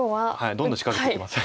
どんどん仕掛けてきます。